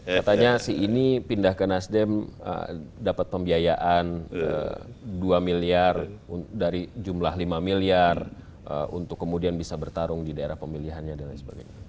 katanya si ini pindah ke nasdem dapat pembiayaan dua miliar dari jumlah lima miliar untuk kemudian bisa bertarung di daerah pemilihannya dan lain sebagainya